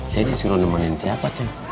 saya disuruh nemenin siapa aja